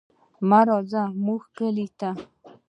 مه راځه زموږ کلي ته.